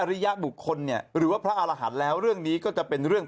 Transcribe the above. ริยบุคคลเนี่ยหรือว่าพระอารหันต์แล้วเรื่องนี้ก็จะเป็นเรื่อง